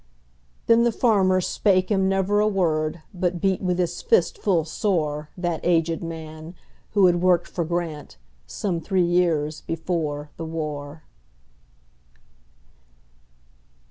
Then the farmer spake him never a word, But beat with his fist full soreThat aged man, who had worked for GrantSome three years before the war.